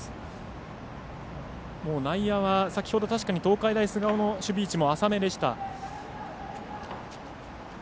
内野は先ほど確かに東海大菅生の守備位置も浅めでした。